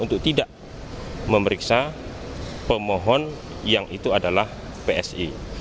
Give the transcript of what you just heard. untuk tidak memeriksa pemohon yang itu adalah psi